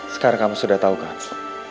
sekarang kamu sudah tahu kan